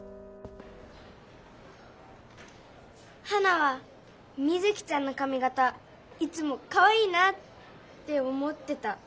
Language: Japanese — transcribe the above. ハナはミズキちゃんのかみがたいつもかわいいなっておもってた。